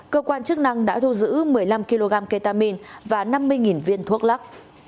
cơ quan chức năng đã thu giữ một mươi năm kg ketamine và năm mươi viên thuốc lắc